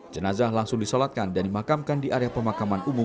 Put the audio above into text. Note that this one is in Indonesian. jenazah langsung disolatkan dan dimakamkan di area pemakaman umum